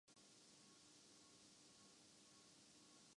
Virat Kohli Shahid